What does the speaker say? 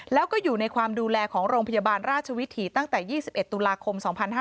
แล้วก็อยู่ในความดูแลของโรงพยาบาลราชวิถีตั้งแต่๒๑ตุลาคม๒๕๕๙